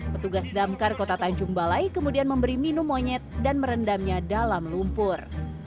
petugas damkar kota tanjung balai kemudian memberi minum monyet dan merendamnya dalam lumpur